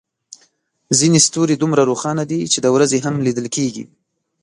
ځینې ستوري دومره روښانه دي چې د ورځې هم لیدل کېږي.